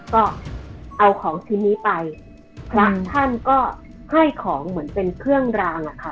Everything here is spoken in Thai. ก็เอาของชิ้นนี้ไปพระท่านก็ให้ของเหมือนเป็นเครื่องรางอะค่ะ